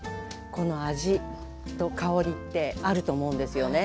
この味と香りってあると思うんですよね。